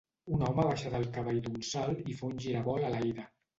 Un home baixa del cavall d'un salt i fa un giravolt a l'aire